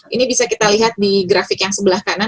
ini bisa kita lihat di grafik yang sebelah kanan